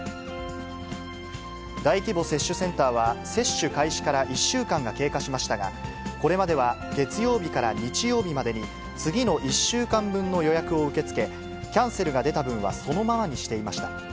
大規模接種センターは、接種開始から１週間が経過しましたが、これまでは月曜日から日曜日までに、次の１週間分の予約を受け付け、キャンセルが出た分はそのままにしていました。